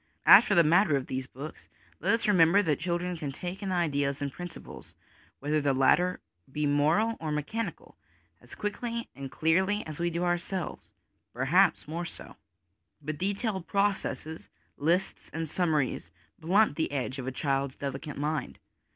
As for the matter of these books, let us remember that children can take in ideas and principles, whether the latter be moral or mechanical, as quickly and clearly as we do ourselves (perhaps more so) ; but detailed pro cesses, lists and summaries, blunt the edge of a child's delicate mind.